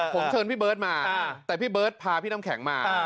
ผมเชิญพี่เบิร์ตมาแต่พี่เบิร์ตพาพี่น้ำแข็งมา